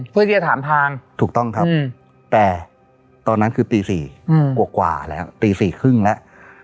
เพื่อที่จะถามทางถูกต้องครับแต่ตอนนั้นคือตี๔กว่าแล้วตี๔๓๐แล้ว